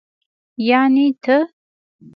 يعنې ته.